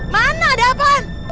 mana ada apaan